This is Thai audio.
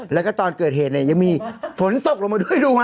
แล้วก็ตอนเกิดเหตุเนี่ยยังมีฝนตกลงมาด้วยดูฮะ